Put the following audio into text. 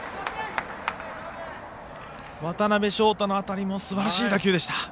渡邊翔太の当たりもすばらしい打球でした。